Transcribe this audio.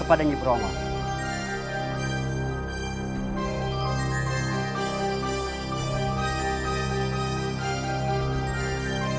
selereng yangnya untuk capa